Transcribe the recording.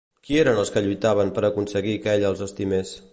Qui eren els que lluitaven per aconseguir que ella els estimés?